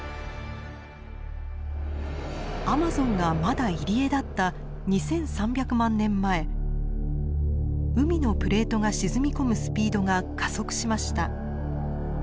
アマゾンがまだ入り江だった海のプレートが沈み込むスピードが加速しました。